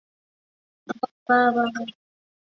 尖头燕鳐为飞鱼科燕鳐属的鱼类。